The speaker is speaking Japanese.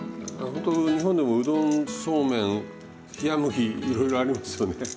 ほんと日本でもうどんそうめん冷や麦いろいろありますよね。